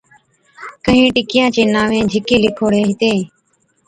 ڪهِين ٽڪِيان چين نانوين جھِڪي لِکوڙين هِتين،